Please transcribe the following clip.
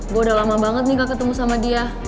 gue udah lama banget nih gak ketemu sama dia